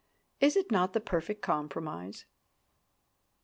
Is it not the perfect compromise?